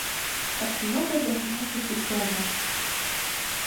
Как много говорят эти слова.